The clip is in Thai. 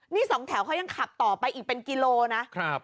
นี่สองแถวเขายังขับต่อไปอีกเป็นกิโลนะครับ